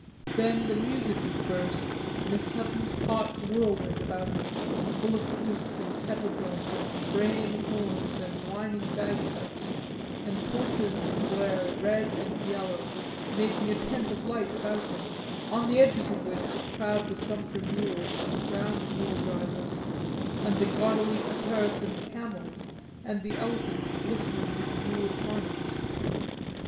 Then the music would burst in a sudden hot whirlwind about him, full of flutes and kettledrums and braying horns and whining bagpipes, and torches would flare red and yellow, making a tent of light about him, on the edges of which would crowd the sumpter mules and the brown mule drivers, and the gaudily caparisoned camels, and the elephants glistening with jewelled harness.